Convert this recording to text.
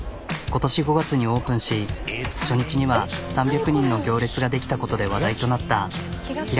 今年５月にオープンし初日には３００人の行列ができたことで話題となった何？